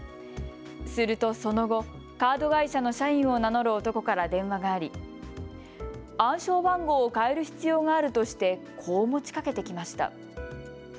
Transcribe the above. するとその後、カード会社の社員を名乗る男から電話があり暗証番号を変える必要があるとしてこう持ちかけてきました。